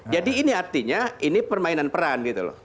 ini artinya ini permainan peran gitu loh